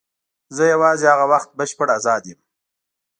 زه یوازې هغه وخت بشپړ آزاد یم.